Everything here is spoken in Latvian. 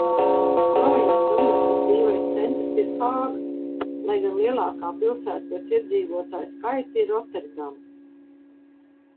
Provinces administratīvais centrs ir Hāga, lai gan lielākā pilsēta pēc iedzīvotāju skaita ir Roterdama.